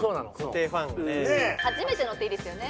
「初めての」っていいですよね。